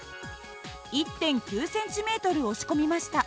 １．９ｃｍ押し込みました。